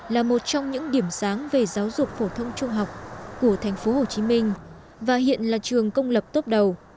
là một trong những điểm sáng về giáo dục phổ thông trung học của thành phố hồ chí minh và hiện là trường công lập tốt đầu